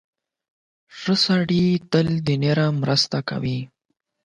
• ښه سړی تل د نورو مرسته کوي.